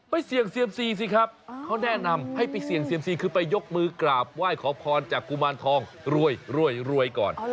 เสี่ยงเซียมซีสิครับเขาแนะนำให้ไปเสี่ยงเซียมซีคือไปยกมือกราบไหว้ขอพรจากกุมารทองรวยรวยก่อน